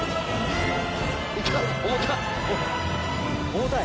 重たい？